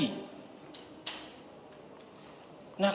nah karena ini